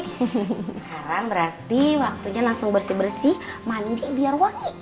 sekarang berarti waktunya langsung bersih bersih mandi biar wangi